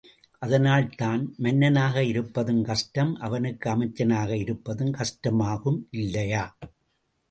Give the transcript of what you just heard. அதனால்தான் மன்னனாக இருப்பதும் கஷ்டம் அவனுக்கு அமைச்சனாக இருப்பதும் கஷ்டமாகும் இல்லையா?